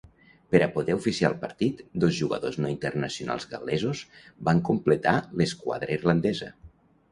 Per a poder oficiar el partit, dos jugadors no internacionals gal·lesos van complementar l'esquadra irlandesa.